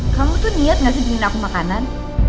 kamu tuh niat gak sih diri aku makanan